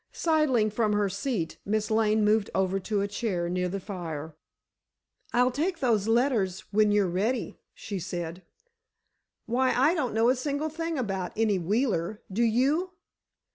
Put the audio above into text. Sidling from her seat, Miss Lane moved over to a chair near the fire. "I'll take those letters when you're ready," she said. "Why, I don't know a single thing about any Wheeler. Do you?"